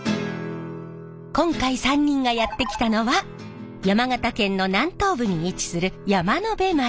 今回３人がやって来たのは山形県の南東部に位置する山辺町。